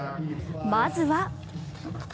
まずは。